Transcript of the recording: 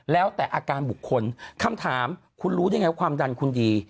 แล้วแต่อาการบุคคลคำถามคุณรู้ได้ไงความดันคุณดี